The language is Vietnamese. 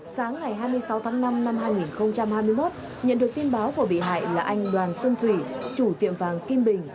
sáng ngày hai mươi sáu tháng năm năm hai nghìn hai mươi một nhận được tin báo của bị hại là anh đoàn xuân thủy chủ tiệm vàng kim bình